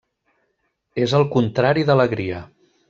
És el contrari d'alegria.